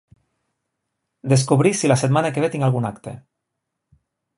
Descobrir si la setmana que ve tinc algun acte.